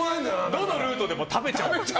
どのルートでも食べちゃう。